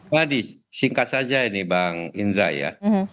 tadi singkat saja ini bang indra ya